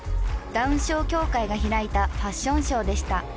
ダウン症協会が開いたファッションショーでした。